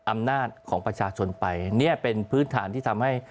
อำนาจของประชาชนไปเนี่ยเป็นพื้นฐานที่ทำให้